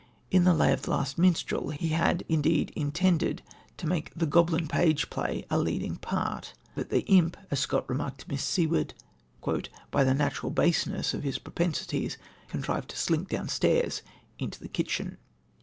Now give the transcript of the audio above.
In The Lay of the Last Minstrel he had, indeed, intended to make the Goblin Page play a leading part, but the imp, as Scott remarked to Miss Seward, "by the natural baseness of his propensities contrived to slink downstairs into the kitchen."